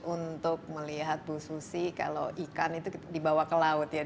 untuk melihat bu susi kalau ikan itu dibawa ke laut ya